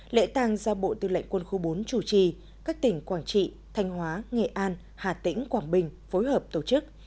lễ tàng do bộ tư lệnh quân khu bốn chủ trì các tỉnh quảng trị thanh hóa nghệ an hà tĩnh quảng bình phối hợp tổ chức